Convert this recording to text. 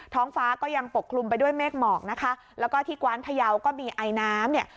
ท้องฟ้าก็ยังปกคลุมไปด้วยเมฆหมอกนะคะแล้วก็ที่กว้านพยาวก็มีไอน้ำเนี่ย